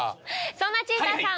そんなちーたーさん